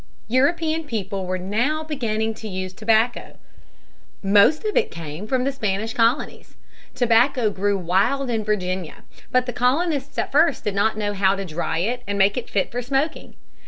European people were now beginning to use tobacco. Most of it came from the Spanish colonies. Tobacco grew wild in Virginia. But the colonists at first did not know how to dry it and make it fit for smoking.